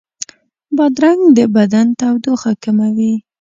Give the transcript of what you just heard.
بادرنګ د بدن تودوخه کموي.